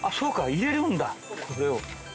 入れるんだこれを。